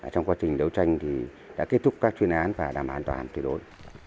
trong quá trình đấu tranh thì đã kết thúc các chuyên án và làm an toàn tự đối